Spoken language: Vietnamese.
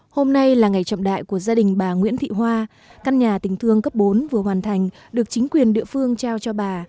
hôm nay là ngày trọng đại của gia đình bà nguyễn thị hoa căn nhà tình thương cấp bốn vừa hoàn thành được chính quyền địa phương trao cho bà